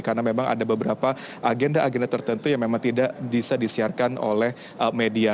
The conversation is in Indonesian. karena memang ada beberapa agenda agenda tertentu yang memang tidak bisa disiarkan oleh media